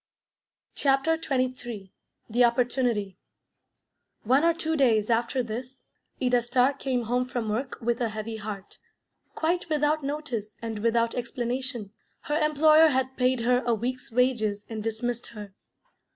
CHAPTER XXIII THE OPPORTUNITY One or two days after this, Ida Starr came home from work with a heavy heart. Quite without notice, and without explanation, her employer had paid her a week's wages and dismissed her.